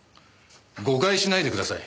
誤解しないでください。